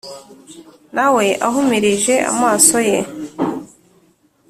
nawe ahumirije amaso ye